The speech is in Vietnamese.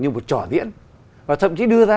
như một trò diễn và thậm chí đưa ra